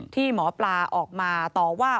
ที่หมอปลาออกมาต่อว่า